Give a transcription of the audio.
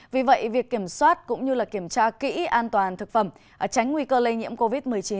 vì vậy việc kiểm soát cũng như kiểm tra kỹ an toàn thực phẩm tránh nguy cơ lây nhiễm covid một mươi chín